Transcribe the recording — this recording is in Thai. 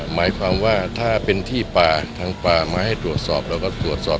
หมายความว่าถ้าเป็นที่ป่าทางป่ามาให้ตรวจสอบเราก็ตรวจสอบ